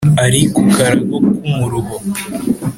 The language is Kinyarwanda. ari ku karago k' umuruho.